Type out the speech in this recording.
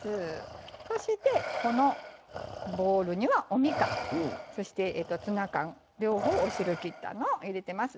そしてこのボウルにはおみかんそしてツナ缶両方をお汁きったのを入れてます。